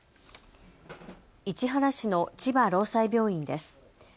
市原市の千葉ろうさい病院です。